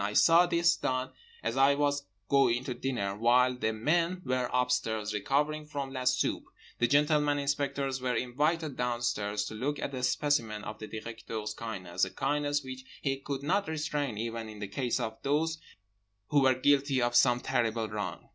I saw this done as I was going to dinner. While the men were upstairs recovering from la soupe, the gentleman inspectors were invited downstairs to look at a specimen of the Directeur's kindness—a kindness which he could not restrain even in the case of those who were guilty of some terrible wrong.